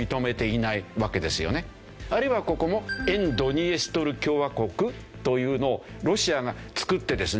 あるいはここも沿ドニエストル共和国というのをロシアがつくってですね